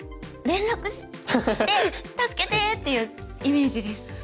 連絡して「助けて！」っていうイメージです。